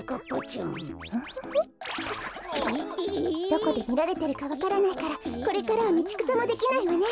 どこでみられてるかわからないからこれからはみちくさもできないわね。